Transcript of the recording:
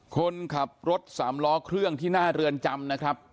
คนขับรถสามล้อเครื่องที่หน้าเรือนจำนะครับ